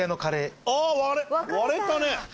割れたね。